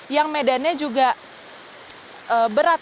yang medannya juga berat